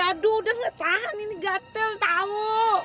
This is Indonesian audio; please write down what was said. aduh udah gak tahan ini gatel tahu